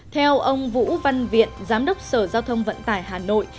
theo ông vũ văn viện giám đốc sở giao thông vận tải hà nội